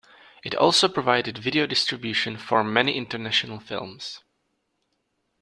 It also provided video distribution for many international films.